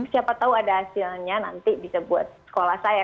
siapa tahu ada hasilnya nanti bisa buat sekolah saya